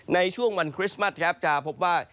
ในช่วงวันคริสต์มัสจะพบว่า